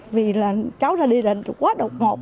vì là cháu ra đi là quá độc ngộ